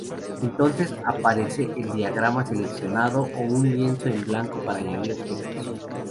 Entonces aparece el diagrama seleccionado, o un lienzo en blanco para añadir objetos.